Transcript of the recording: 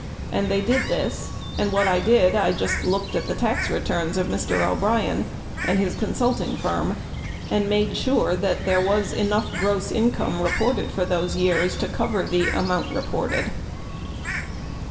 And they did this, and what I did, I just looked at the tax returns of Mr. O'Brien and his consulting firm and made sure that there was enough gross income reported for those years, to cover the amount re ported.